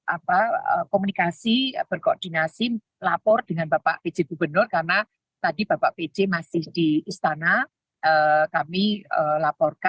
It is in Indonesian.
apa komunikasi berkoordinasi lapor dengan bapak pj gubernur karena tadi bapak pj masih di istana kami laporkan